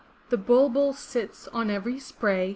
t ft The Bulbul sits on every spray.